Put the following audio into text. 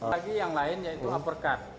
lagi yang lain yaitu uppercurd